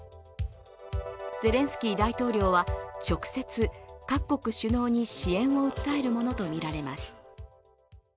ゼレンスキー大統領は直接、各国首脳に支援を訴えるものとみられます。